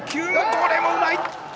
これもうまい。